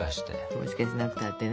もしかしなくたってね。